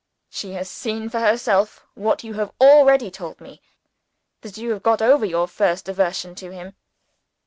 She has seen for herself what you have already told me that you have got over your first aversion to him.